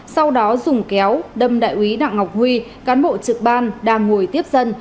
sau đó dùng kéo đâm đại úy đặng ngọc huy cán bộ trực ban đang ngồi tiếp dân